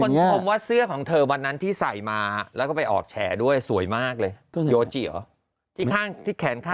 ชมว่าเสื้อของเธอวันนั้นที่ใส่มาแล้วก็ไปออกแฉด้วยสวยมากเลยโยจิเหรอที่ข้างที่แขนข้าง